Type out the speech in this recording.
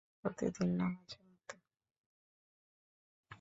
প্রতিদিন না মাঝেমধ্যে।